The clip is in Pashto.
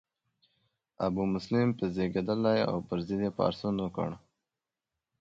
ابومسلم په زیږیدلی او د پر ضد یې پاڅون وکړ.